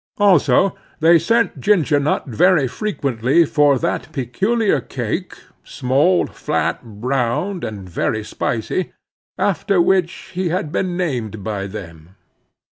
Also, they sent Ginger Nut very frequently for that peculiar cake—small, flat, round, and very spicy—after which he had been named by them.